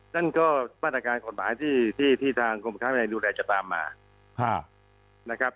นั่นก็บรรณาการกฎหมายที่ทางกรมค้าใบในดูแลจะตามมา